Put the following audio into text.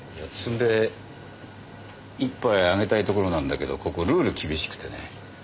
摘んで１杯あげたいところなんだけどここルール厳しくてね。